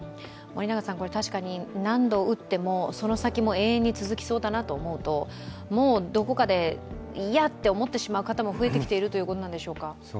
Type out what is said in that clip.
確かに、何度打っても、その先も永遠に続きそうだなと思うとどこかで、いいやと思ってしまう方も増えてきているということなんでしょうか？